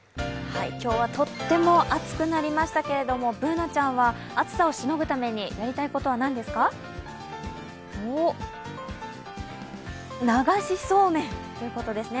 今日はとっても暑くなりましたけれども、Ｂｏｏｎａちゃんは暑さをしのぐためにやりたいことは何ですか？おっ、流しそうめんということですね。